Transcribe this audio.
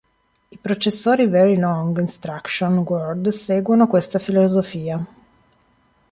I processori very long instruction word seguono questa filosofia.